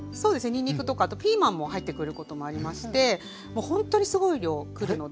にんにくとかあとピーマンも入ってくることもありましてもうほんとにすごい量来るので。